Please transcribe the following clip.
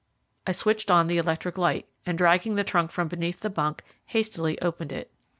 I switched on the electric light, and, dragging the trunk from beneath the bunk, hastily opened it.